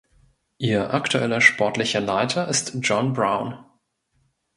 Ihr aktueller sportlicher Leiter ist John Brown.